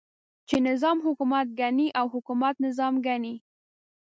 چې نظام حکومت ګڼي او حکومت نظام ګڼي.